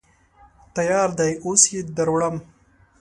_تيار دی، اوس يې دروړم.